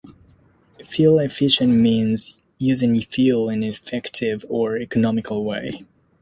Fuel-efficient means using fuel in an effective or economical way.